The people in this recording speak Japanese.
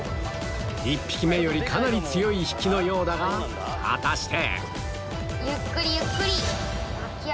１匹目よりかなり強い引きのようだが果たして⁉重くないか？